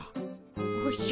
おじゃ。